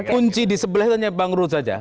kunci di sebelahnya bang rut saja